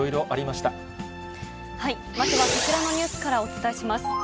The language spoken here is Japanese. まずはこちらのニュースからお伝えします。